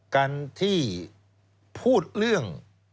การที่พูดเรื่อง